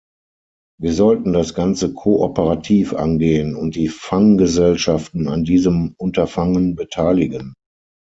Wir sollten das ganze kooperativ angehen und die Fanggesellschaften an diesem Unterfangen beteiligen.